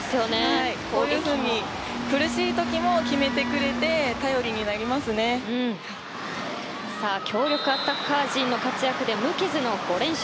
こういうふうに苦しいときも決めてくれて強力アタッカー陣の活躍で無傷の５連勝